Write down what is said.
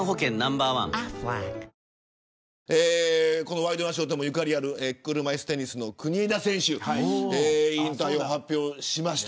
ワイドナショーでもゆかりのある車いすテニスの国枝選手、引退を発表しました。